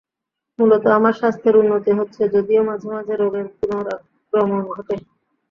মূলত আমার স্বাস্থ্যের উন্নতি হচ্ছে, যদিও মাঝে মাঝে রোগের পুনরাক্রমণ ঘটে।